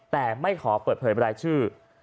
แต่ไม่ขอเปิดเผยบรายชื่อ